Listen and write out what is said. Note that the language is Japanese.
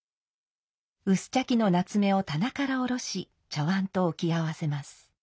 薄茶器の棗を棚から下ろし茶碗と置き合わせます。